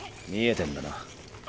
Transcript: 見えてんだな。